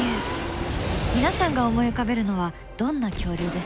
皆さんが思い浮かべるのはどんな恐竜ですか？